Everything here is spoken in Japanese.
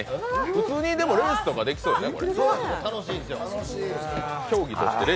普通にレースとかできそうよね。